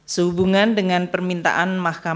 sehubungan dengan permintaan bapak menko perekonomian